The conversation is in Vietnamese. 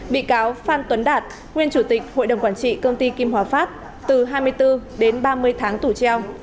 bị cáo phan tuấn đạt nguyên chủ tịch hội đồng quản trị công ty kim hòa phát từ hai mươi bốn đến ba mươi tháng tù treo